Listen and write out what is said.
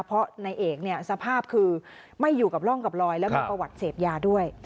เพราะในเอกสภาพคือไม่อยู่กับร่องกับรอยแล้วก็ประวัติเสพยาด้วย